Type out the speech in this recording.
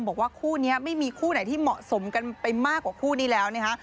บอกว่าคู่นี้ไม่มีคู่ไหนที่เหมาะสมกันไปมากกว่าคู่นี้แล้วนะคะ